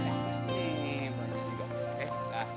sekarang lintang jualan kue coklat